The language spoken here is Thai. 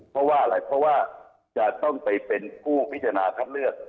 เพราะว่าอะไรเพราะว่าจะต้องไปเป็นผู้พิจารณาคัดเลือก